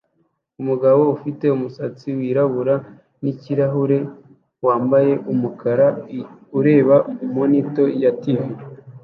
Umugabo ufite umusatsi wirabura nikirahure wambaye umukara ureba monitor ya TV